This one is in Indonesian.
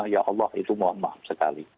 ya allah itu mohon maaf sekali